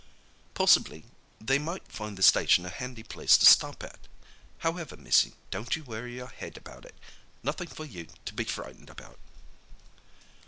"Possibly they might find the station a handy place to stop at. However, missy, don't you worry your head about it—nothing for you to be frightened about."